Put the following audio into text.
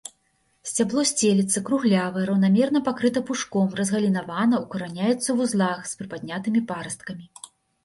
Сцябло сцелецца, круглявае, раўнамерна пакрыта пушком, разгалінавана, укараняецца ў вузлах, з прыпаднятымі парасткамі.